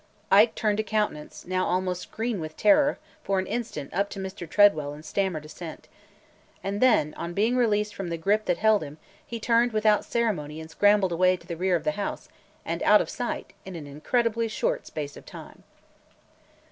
Ike turned a countenance, now almost green with terror, for an instant up to Mr. Tredwell and stammered assent. And then, on being released from the grip that held him, he turned without ceremony and scrambled away to the rear of the house and out of sight in an incredibly short space of time.